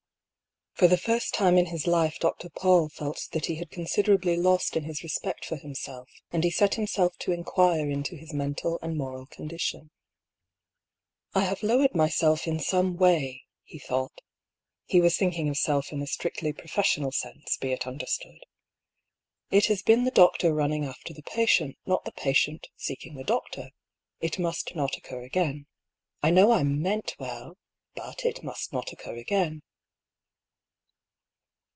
Fob the first time in his life Dr. Paull felt that he had considerably lost in his respect for himself, and he set himself to inquire into his mental and moral con dition. " I have lowered myself in some way," he thought (He was thinking of self in a strictly professional sense, be it understood.) " It has been the doctor running after the patient, not the patient seeking the doctor. It must not occur again. I know I meant well — but it must not occur again."